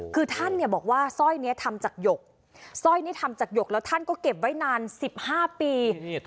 คือท่านบอกว่าสร้อยนี้ทำจากหยกสร้อยนี่ทำจากหยกแล้วท่านก็เก็บไว้นาน๑๕ปี